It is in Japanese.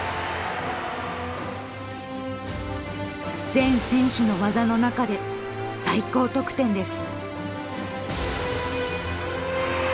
全選手の技の中で最高得点です！